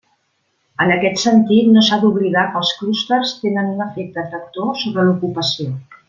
En aquest sentit no s'ha d'oblidar que els clústers tenen un efecte tractor sobre l'ocupació.